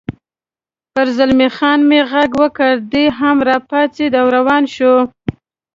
پر زلمی خان مې غږ وکړ، دی هم را پاڅېد او روان شو.